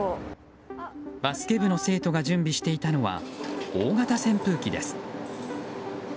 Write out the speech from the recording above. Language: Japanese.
バスケ部の生徒が準備していたのは大型扇風機です。